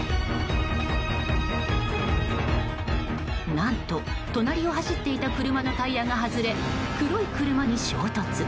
何と、隣を走っていた車のタイヤが外れ、黒い車に衝突。